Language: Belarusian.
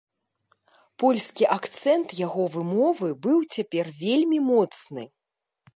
Польскі акцэнт яго вымовы быў цяпер вельмі моцны.